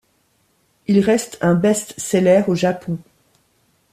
Il reste un best-seller au Japon.